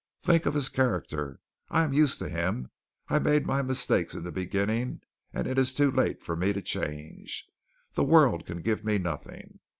Think of his character. I am used to him. I made my mistakes in the beginning, and it is too late for me to change. The world can give me nothing.